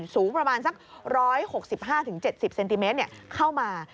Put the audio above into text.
สูงประมาณสัก๑๖๕๗๐เซนติเมตรเข้ามา